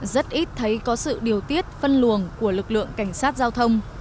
rất ít thấy có sự điều tiết phân luồng của lực lượng cảnh sát giao thông